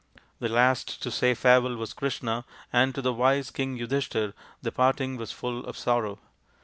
The last to say farewell was Krishna, and to the wise King Yudhishthir the parting was full of sorrow.